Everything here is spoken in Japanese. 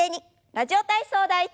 「ラジオ体操第１」。